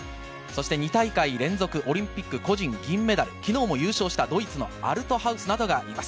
２大会連続オリンピック個人銀メダル、昨日も優勝したドイツのアルトハウスなどがいます。